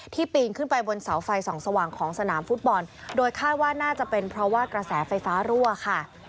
ปีนขึ้นไปบนเสาไฟส่องสว่างของสนามฟุตบอลโดยคาดว่าน่าจะเป็นเพราะว่ากระแสไฟฟ้ารั่วค่ะ